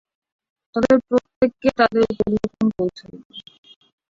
তাদের প্রত্যেককে তাদের উপঢৌকন পৌঁছে দিল।